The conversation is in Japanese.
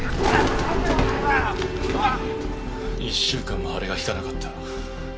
１週間も腫れがひかなかった。